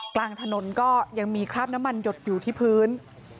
กลางถนนก็ยังมีคราบน้ำมันหยดอยู่ที่พื้น